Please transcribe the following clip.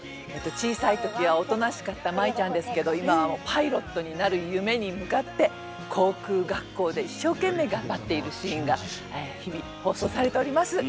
小さい時はおとなしかった舞ちゃんですけど今はパイロットになる夢に向かって航空学校で一生懸命頑張っているシーンが日々放送されております。